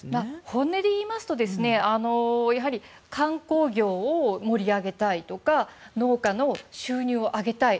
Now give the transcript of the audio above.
本音でいいますと観光業を盛り上げたいとか農家の収入を上げたい。